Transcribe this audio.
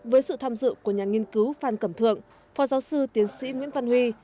với sự tham dự của nhà nghiên cứu phan cẩm thượng phó giáo sư tiến sĩ nguyễn văn huy